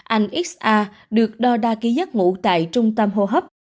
anh nxa được đo đa ký giác ngủ tại trung tâm hô hấp